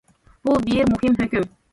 بۇ بىر مۇھىم ھۆكۈم.